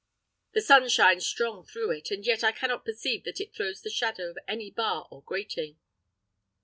The sun shines strong through it, and yet I cannot perceive that it throws the shadow of any bar or grating."